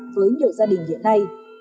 với nhiều gia đình hiện nay